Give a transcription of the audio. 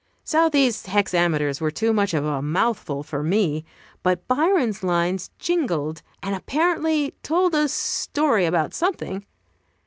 Southey's hexameters were too much of a mouthful for me, but Byron's lines jingled, and apparently told a story about something.